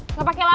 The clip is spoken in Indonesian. nggak pakai lama